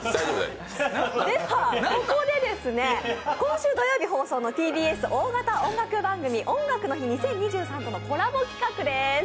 ここで、今週土曜日放送のＴＢＳ大型番組「音楽の日２０２３」とのコラボ企画です。